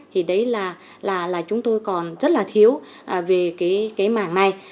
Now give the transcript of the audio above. thì đấy là chúng tôi còn rất là thiếu về cái mảng này